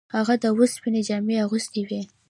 هغه د اوسپنې جامې اغوستې وې.